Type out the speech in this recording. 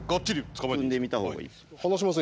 踏んでみた方がいいです。